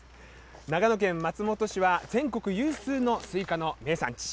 長野県松本市は、全国有数のスイカの名産地。